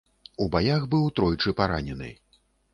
У баях быў тройчы паранены.